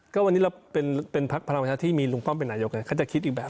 ก็วันนี้เราเป็นพทธิล์ภารมชาติที่มีลุงอะไรเขาจะคิดอีกแบบ